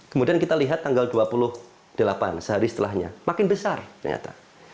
kemudian kita lihat tanggal dua puluh delapan sehari setelahnya makin besar ternyata